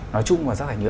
nói chung và rác thải nhựa